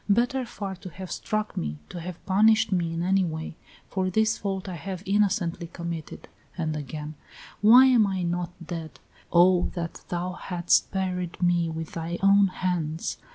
Better far to have struck me, to have punished me in any way, for this fault I have innocently committed." And again: "Why am I not dead? Oh, that thou hadst buried me with thy own hands!